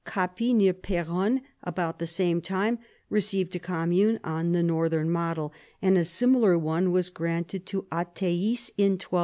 Cappi, near Peronne, about the same time received a commune on the northern model, and a similar one was granted to Athies in 1211.